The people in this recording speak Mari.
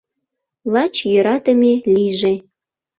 Лач йӧратыме лийже.